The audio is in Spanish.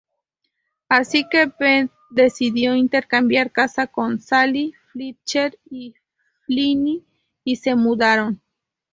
Así que Beth decidió intercambiar casa con Sally Fletcher y Flynn y se mudaron.